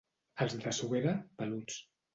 Els de Suera, peluts.